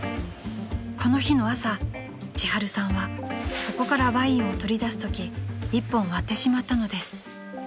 ［この日の朝千春さんはここからワインを取り出すとき１本割ってしまったのです］